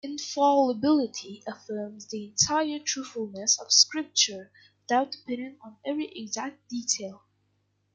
Infallibility affirms the entire truthfulness of scripture without depending on every exact detail.